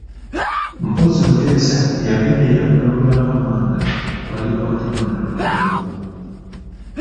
Mpozzi Mutesa teyagenderera kulagula nga Mwanga bw'alikwatibwa n'atwalibwa.